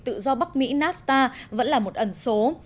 tự do bắc mỹ nafta vẫn là một ẩn số